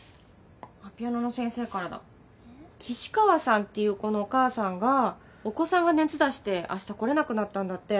岸川さんっていう子のお母さんがお子さんが熱出してあした来れなくなったんだって。